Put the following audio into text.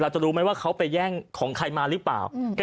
จะรู้ไหมว่าเขาไปแย่งของใครมาหรือเปล่า